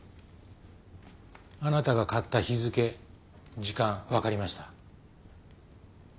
あなたが買った日付時間分かりました。